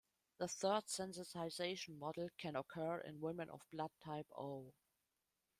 The third sensitization model can occur in women of blood type O.